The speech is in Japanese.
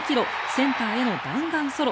センターへの弾丸ソロ。